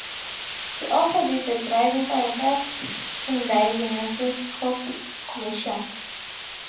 He also did the driving for the first Hyundai Genesis Coupe commercial.